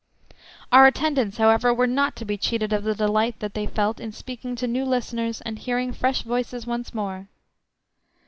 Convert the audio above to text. Our attendants, however, were not to be cheated of the delight that they felt in speaking to new listeners and hearing fresh voices once more.